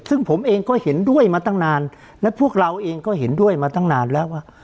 ซึ่งผมเองก็เห็นด้วยมาตั้งนานและพวกเราเองก็เห็นด้วยมาตั้งนานแล้วว่า